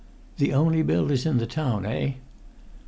"The only builders in the town, eh?"